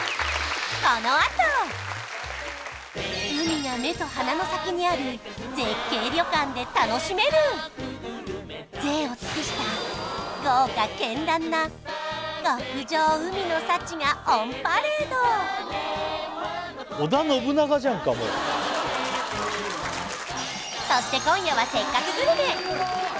海が目と鼻の先にある絶景旅館で楽しめる贅を尽くした豪華絢爛な極上海の幸がオンパレードもうそして今夜は「せっかくグルメ！！」